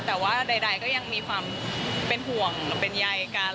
แต่ว่าใดก็ยังมีความเป็นห่วงเป็นใยกัน